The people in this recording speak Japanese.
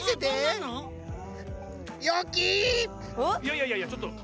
いやいやいやちょっと。